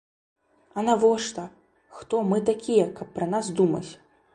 А навошта, хто мы такія, каб пра нас думаць?!